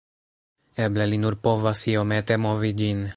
Eble li nur povas iomete movi ĝin